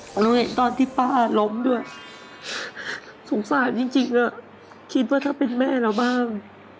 แล้วเห็นตอนที่ป้าล้มด้วยสงสารจริงคิดว่าถ้าเป็นแม่เราบ้าง